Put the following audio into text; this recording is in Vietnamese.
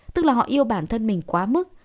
tức là họ yêu bản thân mình quá mức